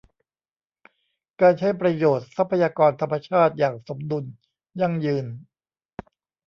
การใช้ประโยชน์ทรัพยากรธรรมชาติอย่างสมดุล ยั่งยืน